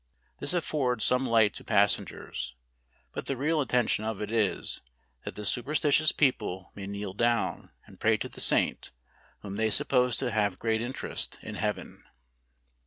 This affords some light to passengers: but the real intention of it is, that the super¬ stitious people may kneel down, and pray to the Saint, whom they suppose to have great interest in Heaven.